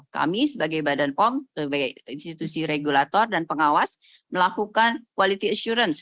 kami sebagai badan pom sebagai institusi regulator dan pengawas melakukan quality assurance